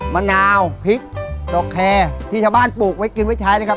มะนาวพริกดอกแคร์ที่ชาวบ้านปลูกไว้กินไว้ใช้นะครับ